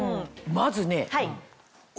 まずね。